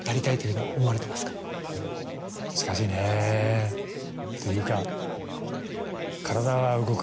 難しいね。というか。